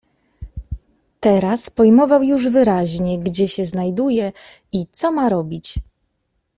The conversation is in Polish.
"Teraz pojmował już wyraźnie, gdzie się znajduje i co ma robić."